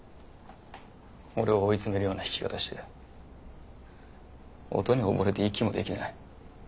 俺を追い詰めるような弾き方して音に溺れて息もできない。